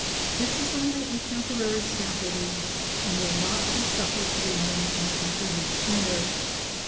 This is only a temporary scaffolding and will not be suffered to remain in the completed snare.